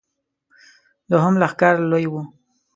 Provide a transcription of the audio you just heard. دوهم لښکر لوی و.